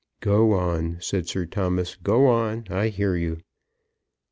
"Go on," said Sir Thomas. "Go on, I'll hear you."